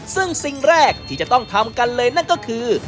ซึ่งสิ่งแรกที่จะต้องทำกันเลยนั่นก็คือ